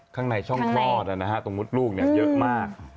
ข้างในช่องคลอดตรงมดลูกเยอะมาก